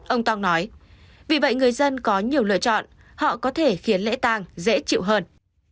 ông tang nói vì vậy người dân có nhiều lựa chọn họ có thể khiến lễ tàng dễ chịu hơn